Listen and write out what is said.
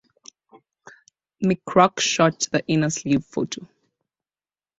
Mick Rock shot the inner sleeve photo.